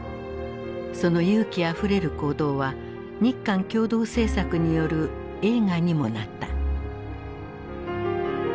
その勇気あふれる行動は日韓共同製作による映画にもなった。